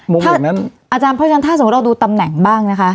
อาจารย์เพราะฉะนั้นถ้าสมมุติเราดูตำแหน่งบ้างนะคะ